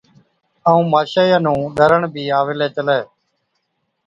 ائُون ماشائِي نُون ڏَرڻ بِي آوي هِلَي چلَي۔